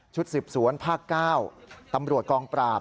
ชุดสิบสวนภาคเก้าตำรวจกองปราบ